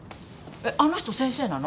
えっあの人先生なの？